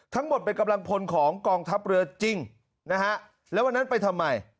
ทั้งหมดเป็นกำลังพลของกองทัพเรือจริงนะฮะแล้ววันนั้นไปทำไม